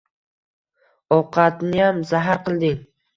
Ovqatniyam zahar qilding